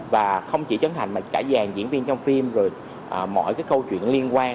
và không chỉ trấn thành mà cả dàn diễn viên trong phim rồi mọi cái câu chuyện liên quan